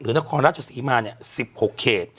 รุนครราชศรีมาเนี่ย๑๖เค